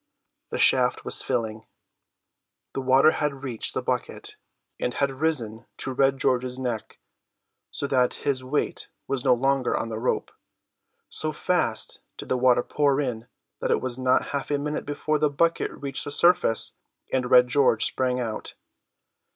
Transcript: The shaft was filling, the water had reached the bucket, and had risen to Red George's neck, so that his weight was no longer on the rope. So fast did the water pour in that it was not half a minute before the bucket reached the surface, and Red George sprang out.